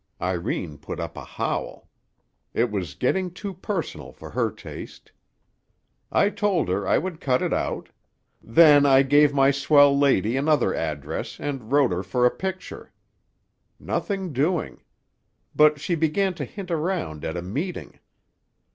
Irene put up a howl. It was getting too personal for her taste. I told her I would cut it out. Then I gave my swell lady another address and wrote her for a picture. Nothing doing. But she began to hint around at a meeting.